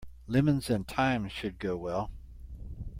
Lemons and thyme should go well.